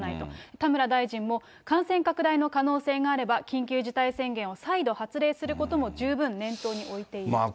田村大臣も、感染拡大の可能性があれば、緊急事態宣言を再度発令することも十分念頭に置いていると。